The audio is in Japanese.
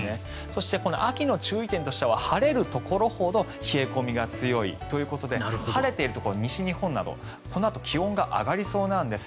そして秋の注意点としては晴れるところほど冷え込みが強いということで晴れているところ西日本などこのあと気温が上がりそうなんです。